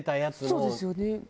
そうですよね。